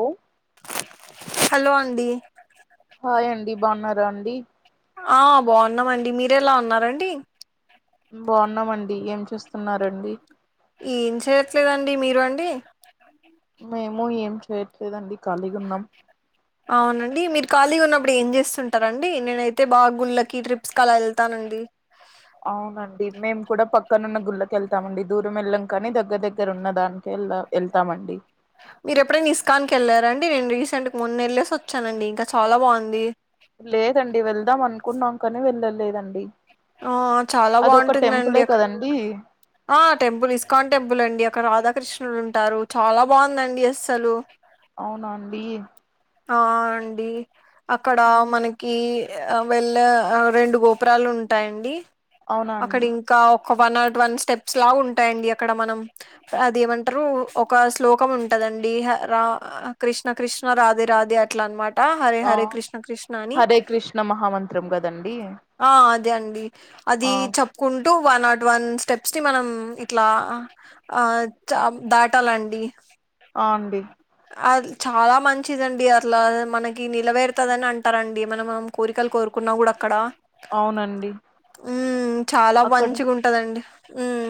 ఓ hello అండి hi అండి బావున్నారా అండి ఆ బాగున్నామండి మీరేలా ఉన్నారండి బాగున్నామండి ఏం చేస్తున్నారండి ఏం చెయట్లేదండి మీరు అండి. మేము ఏం చేయట్లేదండి ఖాళీగా ఉన్నాం. అవునండి మీరు ఖాళీగా ఉన్నప్పుడు ఏం చేస్తుంటారండి. నేనైతే బాగా గుళ్ళకి ట్రిప్స్ కి అలా వెళ్తానండి. గుడి అవునండి మేము కూడా పక్కనున్న గుళ్ళకెళ్తామండి. దూరం వెళ్ళం కాని దగ్గర దగ్గర ఉన్న దానికే. వెళ్తామండి. మీరు ఎప్పుడైనా ఇస్స్కాన్ కి వెళ్ళారండి? నేను రీసెంట్ గా మొన్నెళ్ళేసి వచ్చానండి ఇంకా చాలా బాగుంది. లేదండి వెళ్దాం అనుకున్నాం కానీ వెళ్ళలేదండి. ఆ చాలా అది ఒక బాగుంటుందండి టెంపులే అక్కడ కదండి ఆ టెంపుల్ ఇస్స్కాన్ టెంపుల్ అండి. అక్కడ రాధ కృష్ణుడు ఉంటారు. చాలా బాగుందండి అస్సలు అవునా అండి ఆ అండి అక్కడ ఉమ్, మనకి రెండు గోపురాలు ఉంటాయండి. అవునా అక్కడ అండి ఇంకా ఒక వన్ నాట్ వన్ స్టెప్స్ లా ఉంటాయండి. అక్కడ మనం అది ఏమంటారు ఒక శ్లోకం ఉంటది. కృష్ణ కృష్ణ రాధే రాధే అట్లా అన్నమాట. హరే ఆ హరే కృష్ణ కృష్ణ అని హరే కృష్ణ మహామంత్రం కదండి ఆ అదే అండి అది ఆ చెప్పుకుంటూ వన్ నాట్ వన్ స్టెప్స్ ని మనం ఇట్లా దాటాలండి. [inaudible] ఆ అండి చాలా మంచిదండి అట్లా మనకి నేరవేరుతుందిని అంటారండి. మన కోరికలు కోరుకు ఇప్పుడు న్నావ అక్కడ అవునండి హు చాలా అక్కడ మంచిగా ఉంటందండి. మ్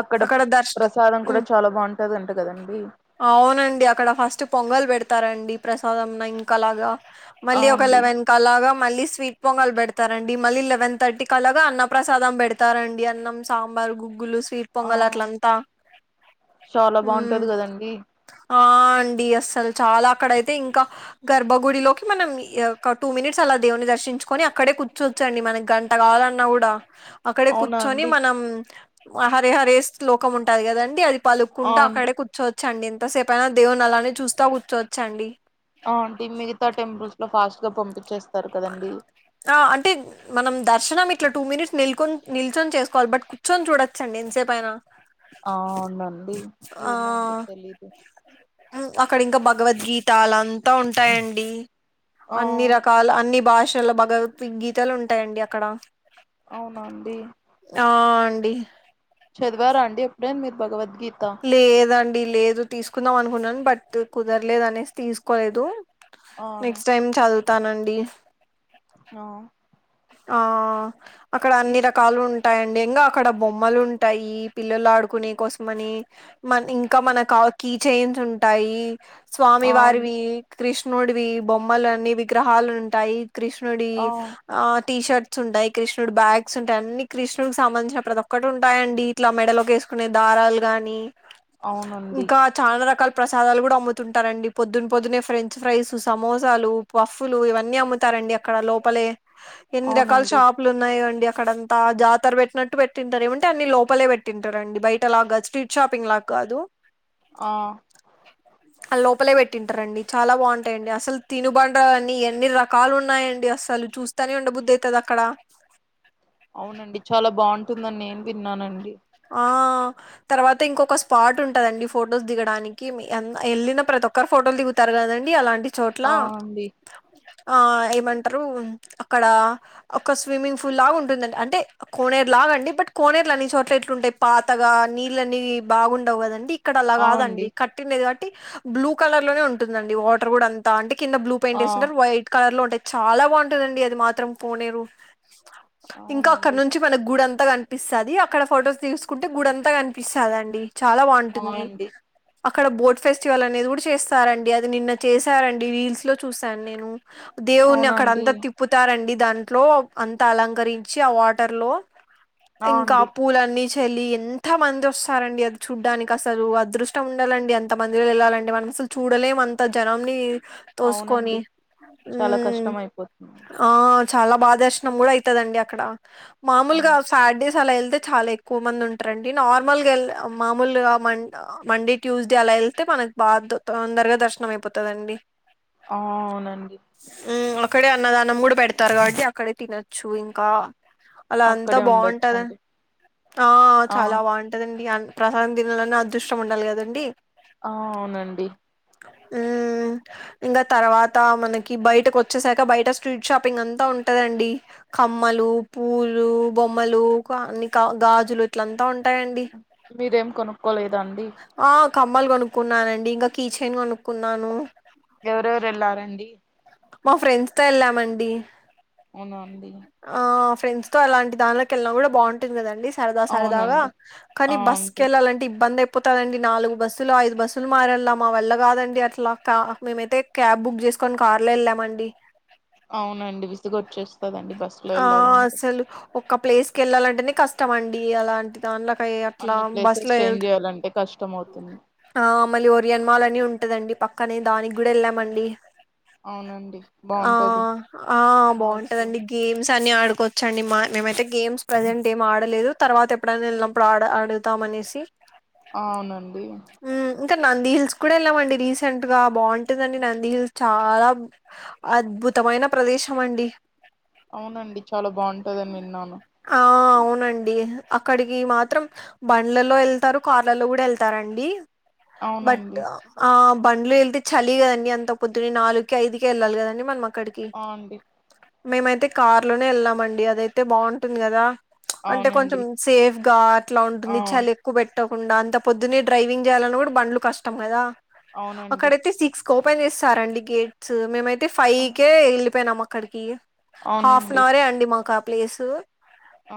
అక్కడ ప్రసాదం కూడా చాలా బాగుంటది అంట కదండి. అవునండి అక్కడ ఫస్ట్ పొంగల్ పెడతారండి. ప్రసాదం ఇంకా అలాగ ఆ మళ్ళీ ఒక అండి లెవెన్ క అలాగ మళ్ళీ స్వీట్ పొంగలు పెడతారండి. మళ్ళీ లెవెన్ థర్టీ క అలాగా అన్న ప్రసాదం పెడతారండి అన్నం సాంబార్ గుగ్గిళ్ళు, స్వీట్ ఆ పొంగల్ అట్లంతా చాలా బాగుంటది కదండి ఆ అండి అస్సలు చాలా అక్కడయితే ఇంకా గర్భగుడిలోకి మనం టూ మినిట్స్ అలా దేవుని దర్శించుకొని అక్కడే కూర్చోవచ్చండి. మనకి గంట కావాలన్నా కూడా అక్కడే అవునా కూర్చొని అండి మనం హరిహరే శ్లోకం ఉంటది కదండి అది ఆ పలుక్కుంటూ అండి అక్కడే కూర్చోవచ్చండి. ఎంతసేపు అయినా దేవున్ని చూస్తా కూర్చోచ్చండి. ఆ అంటే మిగతా టెంపుల్స్ లో ఫాస్ట్ గా పంపించేస్తా ఆ అంటే మనం దర్శనానికి ఇట్లా టూ మినిట్స్ నిల్చొని చేసుకోవాలి. బట్ కూర్చొని చూడచ్చండి ఎంతసేపైనా అ అవునానండి ఏమ్మా అండి తెలీదు. భగవద్గీతలు అంతా ఉంటాయండి. ఆ అన్ని రకాల అన్ని భాషల్లో భగవద్గీతలు ఉంటాయండి అక్కడ అవునానండి. ఆ అండి చదివారా అండి? ఎప్పుడైన మీరు భగవద్గీత. లేదండి లేదు తీసుకుందాం అనుకున్నాను బట్ కుదరలేదు అనేసి తీసుకోలేదు. ఆ నెక్స్ట్ టైమ్ చదువుతానండి. ఆ ఆ అక్కడ అన్ని ఇస్ రకాలు ఉం టాయండి ఇంకా అక్కడ బొమ్మలు ఉంటాయి పిల్లలు ఆడుకునే కోసమని మ ఇంకా మనకు కీచైన్స్ ఉంటాయి స్వామి ఆ అండి వారివి కృ ష్ణుడివి బొమ్మలు అన్ని విగ్రహాలు ఉంటాయి కృష్ణుడి ఆ ఆ టీషర్ట్ ఉంటాయి కృష్ణుడు బ్యాగ్స్టాయి అన్ని కృష్ణుడు సంబంధిన ప్రతి ఒక్కటి ఉంటాయం అడి ఇట్లా మెడలోకేసు కునే దారాలు గాని అవునండి ఇంకా చానా రకాల ప్రసాదాలు కూడా అమ్ముతుంటారండి పొద్దున్న పొద్దునే ఫ్రెంచ్ ఫ్రైస్ సమోసాలు పఫ్ఫులు ఇవన్నీ అమ్ముతారు అండి అక్కడ లోపలే ఎన్ని రకాల అవునండి షాపులు ఉన్నాయో అండి అక్కడంత జాతర పెట్టినట్టు పెట్టింటారు ఏమంటే అన్ని లోపలే పెట్టింటారు అండి బయటలా కాదు స్ట్రీట్ షాపింగ్ లాగా కాదు ఆ లోపలే పెట్టింటారంండి చాలా బాగుంటాయండి అసలు తినుబండ్ర అన్ని ఎన్ని రకాలు ఉన్నాయండి అస సలు చూస్తానే ఉండబుద్ది అయితాది అక్కడ అవునండి చాలా బాగుంటుందని నేను విన్నానండి ఆ తర్వాత ఇంకొక స్పాట్ ఉంటదండి ఫొటోస్ దిగడానికి వెళ్ళిన ప్రతి ఒక్కరు ఫో టోలు దిగుతారు కదండి అలాంటి చోట్ల అ అండి ఆ ఏమంటారు అక్కడ ఒక స్విమ్మింగ్ పూల్ లాగా ఉంటుందండి అంటే కోనేరు లా అండి బట్ కోనేర్లా అన్నిచోట్ల ఎ ఉంటాయి పాతగా నీళ్లు అనేవి బాగుండవు కదండి ఇక్కడ అలా ఆ అండి కాదండి కట్టిండేది కాబట్టి బ్లూ కలర్లోనే ఉంటుందండి వాటర్ కూడా అంత అంటే కింద బ్లూ పెయింట్ ఆ ఏసింటారు వైట్ కలర్లో ఉంటాయి చాలా బాగుంటందండి అది మాత్రం కోనేరు ఇంకా అక్కడ అవునండి నుంచి మనకు గుడం త కనిపిస్తది అక్కడ ఫొటోస్ తీసుకుంటే గుడంతా కనిపిస్తాదండి చాలా ఆ బాగుంటుంది అండి అక్కడ బోట్ ఫెస్టివల్ అని అనేది కూడా చేస్తారంండి అది నిన్న చేశారంండి రీల్స్‌లో చూసాను నేను దేవుని అవునా అక్కడ అండి అంతా తిప్పుతారండి దాంట్లో అంతా అలంకరించి ఆ వాటర్లో ఆ ఇంకా అండి పూలన్నీ చ చలి ఎంత మంది వస్తారండి అది చూడ్డానికి అసలు అదృష్టం ఉండాలండి ఎంత మందిలో వెళ్ళాలండి మనం అసలు చూడలేం అంత జనంని తోసుకొని అవునండి చాలా ఉమ్మ్ కష్టం అయిపోతుంది ఆ చాలా భా దర్శనం కూడా అయితదండి అక్కడ ఆ మామూలుగా సాడ్డేస్ అలా ఎళ్తే చాలా ఎ క్కువ మంది ఉంటారండి నార్మల్గా మామూలుగా మ మండే ట్యూస్డే అలా ఎళ్తే మనకు బాగా తొ తొందరగా దర్శనం అయిపోతదండి అ అవునండి ఉమ్ అక్కడే అన్నదానం కూడా పెడతారు కాబట్టి అక్కడే తినొచ్చు ఇంకా అలా అంతా అక్కడే బాగుంటద ఉండొచ్చండి ఆ చాలా బాగుంటదండి ప్రసాదం తినల్లన్న అదృష్టం ఉండాలి కదండి ఆ అవునండి ఉమ్మ్ ఇంకా తర్వాత మనకి బయటకు వచ్చేసాక బయట స్ట్రీట్ షాపింగ్ అంతా ఉంటదండి కమ్మలు పూలు బొమ్మలు అన్ని కా గాజులు ఇట్లంతా ఉం మీరేం కొనుక్కోలేదాండి ఆ కమ్మలు కొనుక్కున్నానండి ఇంకా కీచెయిన్ కొనుక్కున్నాను ఎవరెవరు ఎళ్లారండి మా ఫ్రెండ్స్‌తో ఎళ్ళామండి అవునా అండి ఫ్రెండ్స్‌తో అలాంటి దానిలకి ఎళ్ళినా కూడా బాగుంటుంది కదండి సరదా సరదాగా అవునండి ఆ కానీ బస్సు కు అండి వెళ్ళాలంటే ఇబ్బందే పోతండి నాలుగు బస్సులు ఐదు బస్సులు మరలా మా వల్ల కాదండి అట్లా మేమైతే క్యాబ్ బుక్ చేసుకోని కార్ లెల్లమండి అవునండి విసుగు వచ్చేస్తుందండి బస్సులో ఆ వెళ్ళాలంటే అసలు ఒక్క ప్లేస్ కే వెళ్ళాలంటేనే కష్టం అండి అలాంటి దాన్ల అన్ని ప్లేసెస్ చేంజ్ చేయాలంటే కష్టం అవుతుంది ఆ మళ్ళీ ఓరియన్ మాల్ అని ఉంటదండి పక్కనే దానికి కూడా వెళ్ళామండి అవునండి ఆ బాగుంటది ఆ మాల్స్ బాగుంటదండి గేమ్స్ అని ఆడుకోవచ్చండి మా మేమైతే గేమ్స్ ప్రజెంట్ ఏం ఆడలేదు తర్వాత ఎప్పుడైనా వెళ్ళినప్పుడు ఆడ ఆడ తం అనేసి అవునండి ఉమ్ ఇంకా నంది హిల్స్ కూడా వెళ్ళమండి రీసెంట్ గా బాగుంటుందండి నంది హిల్స్ చాలా అద్భుతమైన ప్రదేశం అండి అవునండి చాలా బాగుంటందని విన్నాను ఆ అవును వునండి అక్కడికి మాత్రం బండ్లలో వెళ్తారు, కార్లలో కూడా వెళ్తారండి. బట్ అవునండి ఆ బండ్లు వెళ్తే చలి కదండి అంత పొద్దునే నాలుగుకే, ఐదుకే వెళ్ళాలి కదండి మనమ్ ఆ అండి మేమైతే కార్ లోనే వెళ్ళామండి అదైతే బాగుంటుంది కదా అంటే కొంచెం అవునండి సేఫ్ గా అట్లా ఆ ఉంటుంది చలి ఎక్కువ పెట్ బెట్టకుండా అంత పొద్దునే డ్రైవింగ్ చేయాలన్న బండ్లు కష్టం కదా అవునండి అక్కడైతే సిక్స్ ఓపెన్ చేస్తారండి గేట్స్ మేమైతే ఫైవ్ ఆ కేే వెళ్ళిపోయినాం అక్కడికి హాఫ్ అన్ అవునండి అవరే అండి మాకు ఆ ప్లేసు ఆ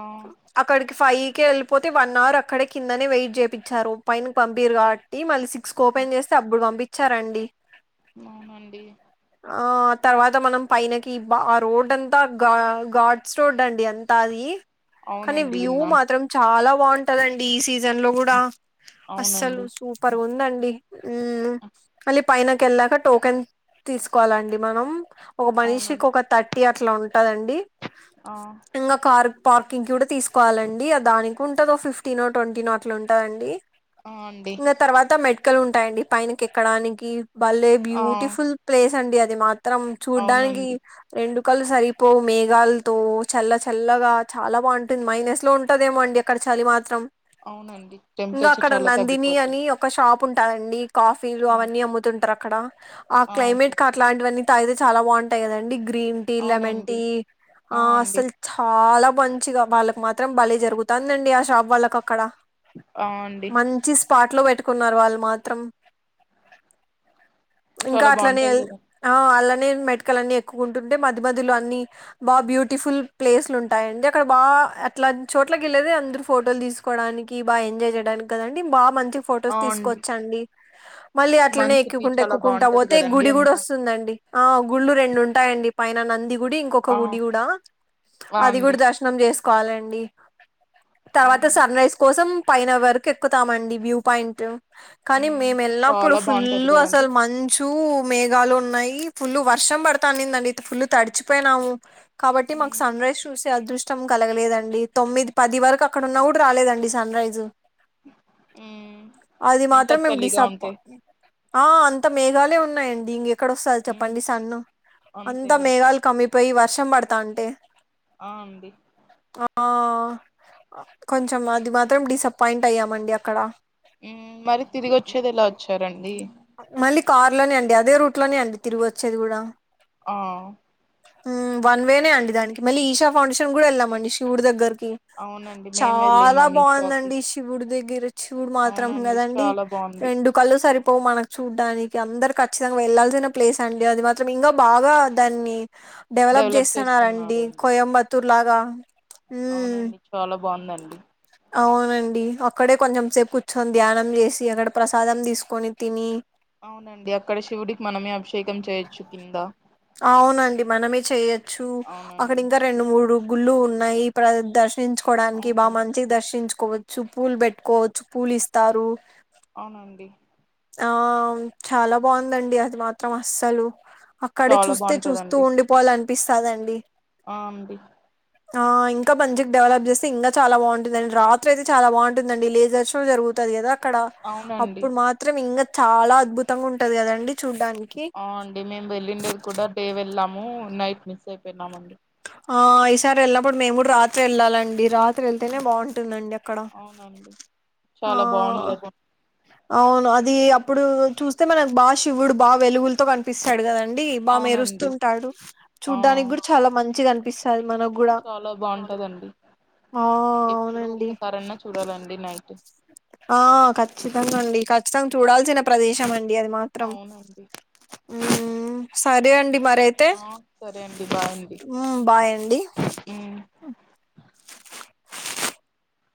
అక్కడ్ ఫైవ్ కి వెళ్ళిపోతే వన్ అవర్ అక్కడే కిందనే వెయిట్ చేపిచ్చారు పైన పంపియరు ఓయ్ కాబట్టి మళ్ళీ సిక్స్ కి ఓపెన్ చేస్తే అప్పుడు పంపించారండి అవునండి ఆ తర్వాత మనం పైనకి ఆ రోడ్ అంతా గా గాడ్స్ రోడ్ అండి అంతా అది కానీ అవునండి వ్యూ విన్నాను మాత్రం చాలా బాగుంటందండి ఈ సీజన్ లో కూడా అస్సలు అవునండి సూపర్ ఉంది అండి ఉమ్ మళ్ళీ పైనక వెళ్ళాక టోకెన్ తీసుకోవాలండి మనం ఒక మనిషికి అవునండి ఒక థర్టీ అట్లా ఉంటదండి ఆ ఇంకా కార్ పార్కింగ్ కూడా తీసుకోవాలండి దానికి ఉంటుంది ఒక ఫిఫ్టీనో ట్వంటీ నో అట్లా ఉంటుందండి. ఆ అండి ఇగ తర్వాత మెటకల్ ఉంటాయండి పైనకి ఎక్కడానికి బళ్లేె ఆ బ్యూటిఫుల్ ప్లేస్ అండి అది మాత్రం చూడ్డానికి అవునండి రెండు కల్ సరిపో మేఘల్తో చల్ల చల్లగా చాలా బాగుంటుంది మైనస్ లో ఉంటదేమో అండి అక్కడ చలి మాత్రం అవునండి ఇంగా టెంపరేచర్ అక్కడ చాలా నందిని అని తగ్గిపోతుంది ఒక షాప్ ఉంటదండి కాఫీలు ఆ అవన్నీ అమ్ముతుంటారు అక్కడ ఆ క్లైమేట్ కి అట్లాంటివన్నీ అయితే చాలా బాగుంటాయి కదండి గ్రీన్ టీ, లెమన్ అవునండి టీ ఆ ఆస్ అండి చాలా మంచిగా వాళ్ళకి మాత్రం బలే జరుగుతుందండి ఆ షాప్ వాళ్ళకు అక్కడ ఆ అండి మంచి స్పాట్ లో పెట్టుకున్నారు వాళ్ళు మాత్రం ఇంకా చాలా అట్లనే బాగుంటది కదా ఆ అలా నెన్ మెటికల్ అన్ని ఎక్కుకుంటుంటే మద మదలో అన్ని వావ్ బ్యూటిఫుల్ ప్లేసులు ఉంటాయండి అక్కడ బాగా అట్లా చోట్లకి వెళ్ళేది అందరు ఫోటోలు తీసుకోవడానికి బా ఎంజాయ్ చేయ చేయడానికి కదండి బా మంచిగా ఫొటోస్ తీసుకోవచ్చ అండి మళ్ళీ అట్లనే మంచుకి ఎక్కుకుంట చాలా ఎక్కుకుంట బాగుంటది పోతే కదండి గుడి కూడా అంతా వస్తుందండి ఆ గుళ్ళు రెండు ఉంటాయండి పైన నంది గుడి ఇంకొక ఆ గుడి కూడా ఆ అది కూడా అండి దర్శనం చే చేసుకోవాలండి ఆ తర్వాత సన్ రైస్ కోసం పైన వరకు ఎక్కుతామండి వ్యూ పాయింట్ కానీ ఉమ్ మేము వెళ్ళినప్పుడు చాలా బాగుంటది ఫుల్ కదండి అసలు మంచు మేఘాలు ఉన్నాయి ఫుల్లు వర్షం పడుతా అనిందండి ఫుల్లు తడిచిపోయినాము కాబట్టి మాకు ఉమ్ సన్ రైజ్ చూసే అదృష్టం కలగలేదండి తొమ్మిది పది వరకు అక్కడ ఉన్న కూడా రాలేదండి సన్ రైజు మ్మ్ అది మాత్రం మేము డిసాప్ప ఆ అంత మేఘాలే ఉన్నాయండి దీంకెక్కడ వస్తంది ఉమ్ చెప్పండి సన్ను అంతా అంతేలే మేఘాలు కమ్మిపోయి వర్షం పడతా అంటే అ ఉంది ఆ కొంచెం అది మాత్రం డిసప్పాయింట్ అయ్యామండి అక్కడ మరి తిరిగిచ్చేది ఎలా వచ్చారండి మళ్ళీ కార్ లోనే అండి అదే రూట్ లోనే అండి తిరిగి వచ్చేది కూడా ఆ ఉమ్ వన్ వేనే అండి దానికి మళ్ళీ ఈషా ఫౌండేషన్ కూడా వెళ్ళామండి శివుడి దగ్గరకి అవునండి మేము చాలా వెళ్ళినాం ఈ షాకి బాగుందండి శివుడి దగ్గర చూడు మాత్రం అవునండి కదండి చాలా బాగుంది రెండు కళ్ళు సరిపోవు మనకు చూడ్డానికి అందరు ఖచ్చితంగా వెళ్లాల్సిన ప్లేస్ అండి అది మాత్రం ఇంకా బాగా దాన్ని డెవలప్ చేస్తున్నారండి కోయంబత్తూర్ లాగా అవునండి చాలా బాగు అవును అండి అక్కడే కొంచెం సేపు కూర్చొని ధ్యానం చేసి అక్కడ ప్రసాదం తీసుకొని తిని అవునండి అక్కడ శివుడికి మనమే అభిషేకం చేయచ్చు కింద అవునండి మనమే చేయొచ్చు అక్కడ అవునండి ఇంకా రెండు మూడు గుళ్ళు ఉన్నాయి ఇ ప్ర దర్శ దర్శించుకోవడానికి అవును బాగా మంచిగా దర్శించుకోవచ్చు పూలు పెట్టుకోవచ్చు పూలు ఇస్తారు అవునండి ఆ చాలా బాగుందండి అది మాత్రం అస్సలు అక్కడే చాలా చూస్తే చూస్తూ బాగుంటదండి ఉండిపోవాల అనిపిస్తదండి ఆ అండి ఆ ఇంకా మంచికి డెవలప్ చేస్తే ఇంకా చాలా బాగుంటుందిండి రాత్రి అయితే చాలా బాగుంటుందండి లేజర్స్ లో జరుగుతది కదా అక్కడ అవునండి అప్పుడు మాత్రం ఇంకా చాలా అద్భుతంగా ఉంటది కదండి చూడ్డానికి ఆ అండి మేము వెళ్లిండేది కూడా డే వెళ్ళాము నైట్ మిస్ అయిపోయినామ అండి ఆ ఈసారి వెళ్ళినప్పుడు మేము కూడా రాత్రి వెళ్ళాలండి రా త్రి వెళ్తేనే బాగుంటుందండి అక్కడ అవునండి ఆ చాలా బాగుంటది అవును అది అప్పుడు చూస్తే మనకు బా శివుడు బాగా వెలుగులతో కనిపిస్తాడు కద డి బాగా అవునండి మెరుస్తుంటాడు ఆ చూడ్డానికి కూడా చాలా మంచిగా అనిపిస్తది మనకు కూడా చాలా బాగుంటదండి ఆ ఎప్పుడో అవునండి ఒక్కసారన్నా చూడాలండి నైట్ ఆ ఖచ్చితంగా అండి ఖచ్చితంగా చూడాల్సిన ప్రదేశం అండి అది మాత్రం అవునండి సరే అండి మరైతే ఆ సరే అండి బాయ్ అండి ఉమ్, బాయ్ అండి మ్మ్